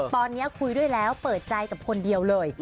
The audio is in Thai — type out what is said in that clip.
ตอนนี้คุยด้วยแล้วเปิดใจกับคนเดียวเลย